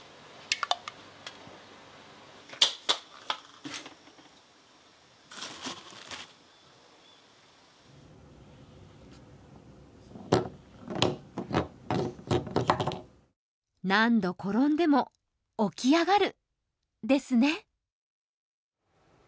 何度転んでも起き上がるですね。